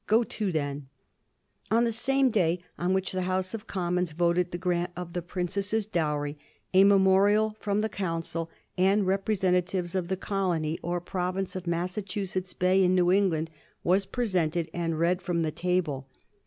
Go to, then ! On the same day on which the House of Commons voted the grant of the princess's dowry, a memorial from the council and representatives of the colony or province of Massachusetts Bay, in New England, was presented and read from the table.